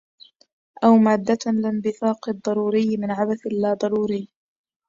أو مادَّةً لانبثاق الضروريِّ من عبث اللا ضروريّ